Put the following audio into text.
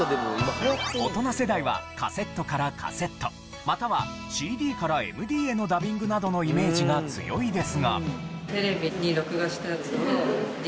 大人世代はカセットからカセットまたはＣＤからＭＤへのダビングなどのイメージが強いですが。